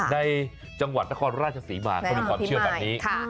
ในจังหวัดตะคอนราชศรีมากเป็นความเชื่อแบบนี้